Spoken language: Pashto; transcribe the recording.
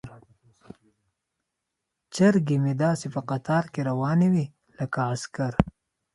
چرګې مې داسې په قطار کې روانې وي لکه عسکر.